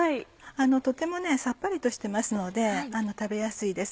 とてもさっぱりとしてますので食べやすいです。